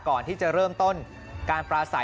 ก่อนที่จะเริ่มต้นการปราศัย